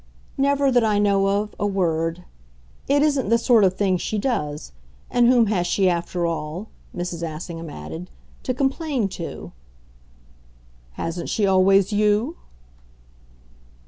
"Never, that I know of, a word. It isn't the sort of thing she does. And whom has she, after all," Mrs. Assingham added, "to complain to?" "Hasn't she always you?"